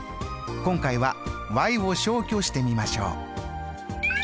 今回はを消去してみましょう。